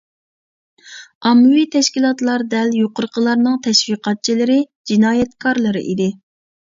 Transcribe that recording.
ئاممىۋى تەشكىلاتلار دەل يۇقىرىقىلارنىڭ تەشۋىقاتچىلىرى، جىنايەتكارلىرى ئىدى.